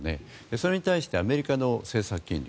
それに対してアメリカの政策金利